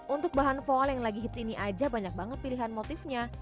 untuk bahan volle yang lagi hits ini aja banyak banget pilihan motifnya